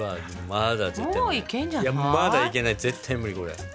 まだいけない絶対無理これ。